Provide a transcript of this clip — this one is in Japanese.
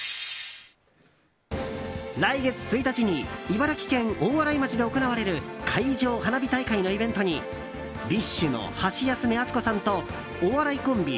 来月１日に茨城県大洗町で行われる海上花火大会のイベントにＢｉＳＨのハシヤスメ・アツコさんとお笑いコンビ